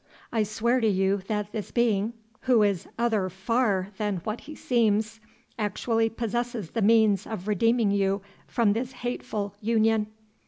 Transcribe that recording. I swear to you that this being (who is other far than what he seems) actually possesses the means of redeeming you from this hateful union."